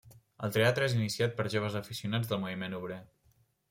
El teatre és iniciat per joves aficionats del moviment obrer.